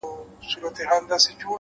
د ریل سټېشن شور د تګ احساس زیاتوي؛